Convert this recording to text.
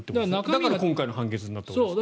だから今回の判決になったわけです。